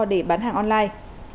để bán hàng online